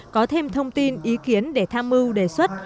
có thêm thông tin ý kiến để tham mưu đề xuất